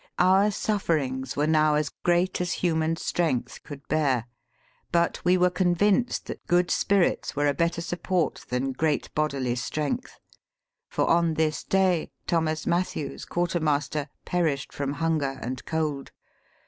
Our suffer ings were now as great as human strength could bear ; but, we were convinced that good spirits were a better support than great bodily strength ; for on this day Thomas Mathews, quartermaster, perished from hunger and cold.